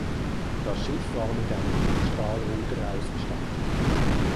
Das Schiff war mit einem Bugstrahlruder ausgestattet.